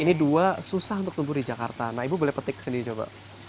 ini dua susah untuk tumbuh di jakarta nah ibu boleh petik sendiri coba